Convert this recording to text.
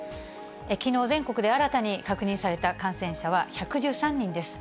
きのう、全国で新たに確認された感染者は１１３人です。